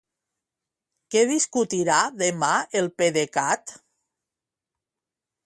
Què discutirà demà el PDECat?